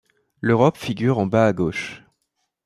L’Europe figure en bas à gauche.